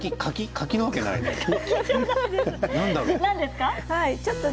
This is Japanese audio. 柿なわけないか。